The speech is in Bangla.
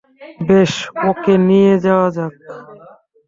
বেশ, ওকে নিয়ে যাওয়া যাক।